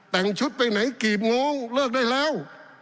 แต่งชุดไปไหนกี่โมงเลิกได้แล้ว